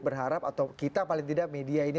berharap atau kita paling tidak media ini